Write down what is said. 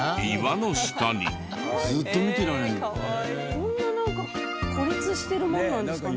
こんななんか孤立してるもんなんですかね？